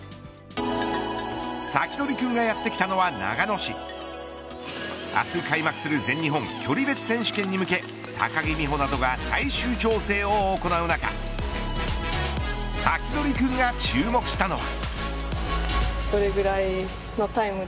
サキドリくんがやってきたのは長野市明日開幕する全日本距離別選手権に向け高木美帆などが最終調整を行う中サキドリくんが注目したのは。